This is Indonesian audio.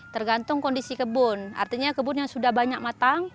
tergantung kondisi kebun artinya kebun yang sudah banyak matang